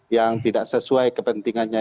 yang tidak sesuai kepentingannya